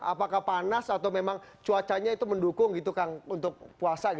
apakah panas atau memang cuacanya itu mendukung untuk puasa